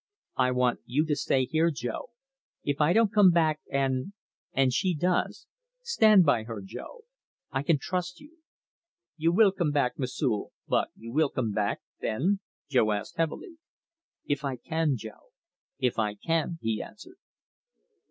"I want you to stay here, Jo. If I don't come back, and and she does, stand by her, Jo. I can trust you." "You will come back, M'sieu' but you will come back, then?" Jo asked heavily. "If I can, Jo if I can," he answered.